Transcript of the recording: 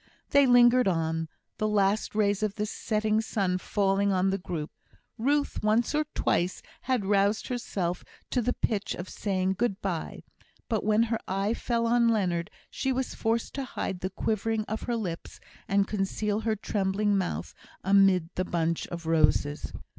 They lingered on, the last rays of the setting sun falling on the group. Ruth once or twice had roused herself to the pitch of saying "Good bye," but when her eye fell on Leonard she was forced to hide the quivering of her lips, and conceal her trembling mouth amid the bunch of roses.